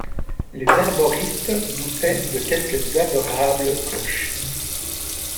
Les herboristes doutaient de quelques adorables cloches.